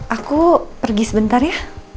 aku pergi sebentar ya